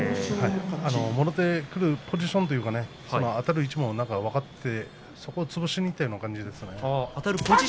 もろ手くるポジションというかあたる位置も分かっていてそこを潰しにいったような感じでしたね。